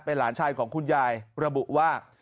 หลานชายของคุณยายระบุว่า